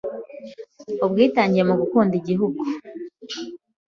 Ubwitange mugukunda igihugu